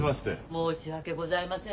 申し訳ございません